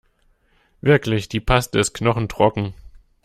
Wirklich, die Paste ist knochentrocken.